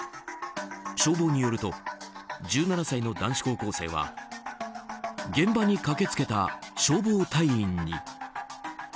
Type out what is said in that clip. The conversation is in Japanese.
消防によると１７歳の男子高校生は現場に駆け付けた消防隊員に。